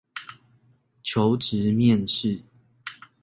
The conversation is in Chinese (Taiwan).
求職面試